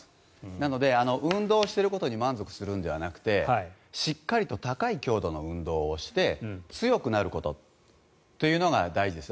なので運動していることに満足するのではなくしっかりと高い強度の運動をして強くなることというのが大事です。